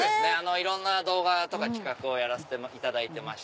いろんな動画とか企画をやらせていただいてまして。